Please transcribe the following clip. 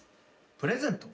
プレゼント？